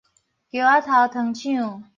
橋仔頭糖廠